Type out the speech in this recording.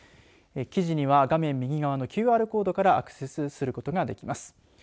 記事には画面右側のＱＲコードからアクセスすることができます。